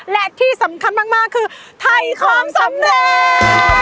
และที่สำคัญมากคือถ่ายของสำเร็จ